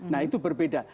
nah itu berbeda